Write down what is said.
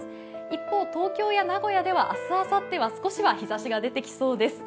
一方、東京や名古屋では明日、あさっては少しは日ざしが出てきそうです。